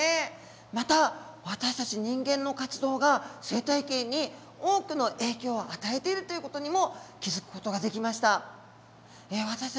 また私たち人間の活動が生態系に多くの影響を与えているという事にも気付く事ができました。